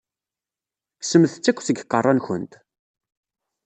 Kksemt-tt akk seg iqeṛṛa-nkent!